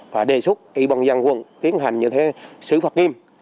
và đề xuất kỹ bằng dân quân tiến hành như thế xử phạt nghiêm